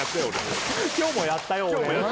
俺「今日もやったよ俺」